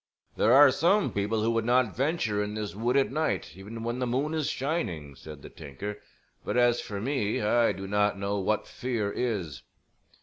"There are some people who would not venture in this wood at night even when the moon is shining," said the tinker; "but as for me I do not know what fear is."